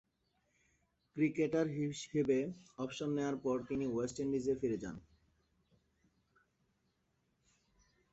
Cricketer হিসেবে অবসর নেয়ার পর তিনি ওয়েস্ট ইন্ডিজে ফিরে যান।